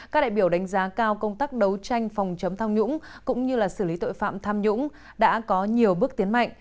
các đại biểu đánh giá cao công tác đấu tranh phòng chống tham nhũng cũng như xử lý tội phạm tham nhũng đã có nhiều bước tiến mạnh